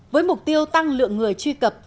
với mục tiêu tăng lượng người truy cập